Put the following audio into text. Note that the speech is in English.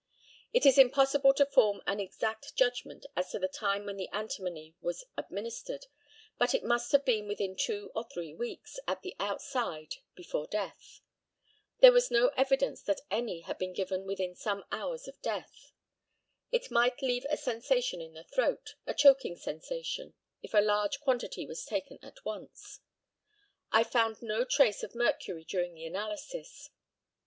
It is impossible to form an exact judgment as to the time when the antimony was administered, but it must have been within two or three weeks, at the outside before death. There was no evidence that any had been given within some hours of death. It might leave a sensation in the throat a choking sensation if a large quantity was taken at once. I found no trace of mercury during the analysis.